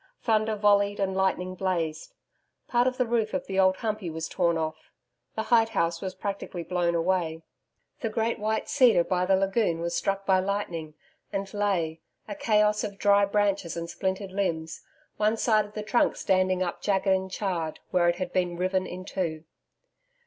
Thunder volleyed and lightning blazed. Part of the roof of the Old Humpey was torn off. The hide house was practically blown away. The great white cedar by the lagoon was struck by lightning, and lay, a chaos of dry branches and splintered limbs, one side of the trunk standing up jagged and charred where it had been riven in two.